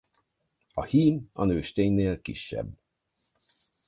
A hím a nősténynél kisebb.